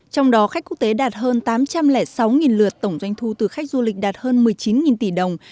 trong đó khách quốc tế đạt hơn tám trăm linh sáu lượt tổng doanh thu từ khách du lịch đạt hơn một mươi chín tỷ đồng